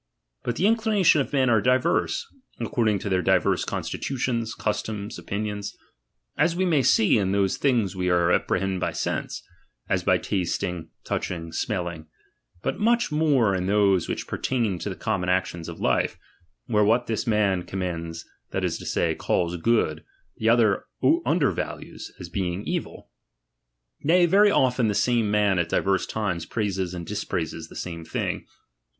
But the inclinations of men are diverse, according to their diverse constitutions, customs, opioious ; as we may see in those things we appre bead by sense, as by tasting, touching, smelling ; hut much more in those which pertain to the com mon actions of life, where what this man com mends, that is to say, calls good, the other under values, as being evil. Nay, very often the same man at diverse times praises and dispraises the Mine thing.